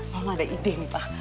mama ada ide nih pak